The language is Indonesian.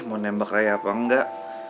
mau nembak raya apa enggak